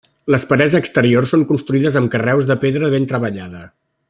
Les parets exteriors són construïdes amb carreus de pedra ben treballada.